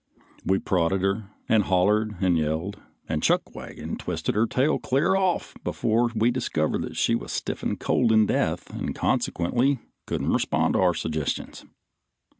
We prodded her, and hollered and yelled, and Chuckwagon twisted her tail clear off before we discovered she was stiff and cold in death and consequently couldn't respond to our suggestions.